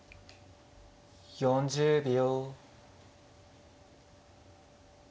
４０秒。